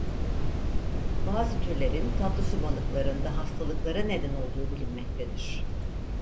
Bazı türlerin tatlı su balıklarında hastalıklara neden olduğu bilinmektedir.